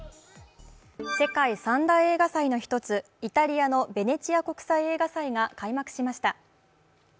世界三大映画祭の１つ、イタリアのベネチア国際映画祭が開幕しました。